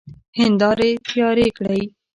هيندارې تيارې کړئ!